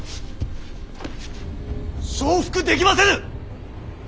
承服できませぬ！